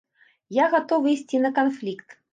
Я гатовы ісці на канфлікт.